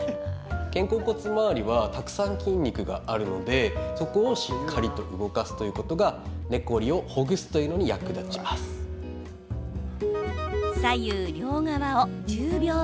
肩甲骨周りはたくさん筋肉があるのでそこを、しっかりと動かすということが寝コリをほぐすというのに役立ちます。